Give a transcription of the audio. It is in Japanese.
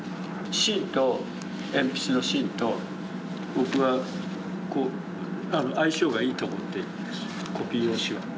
芯と鉛筆の芯と僕はこう相性がいいと思っているんですコピー用紙は。